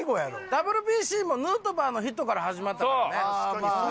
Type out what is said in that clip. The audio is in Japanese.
ＷＢＣもヌートバーのヒットから始まったからね。